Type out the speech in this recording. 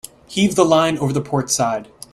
Heave the line over the port side.